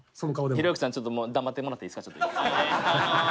ひろゆきさん、ちょっともう黙ってもらっていいですか？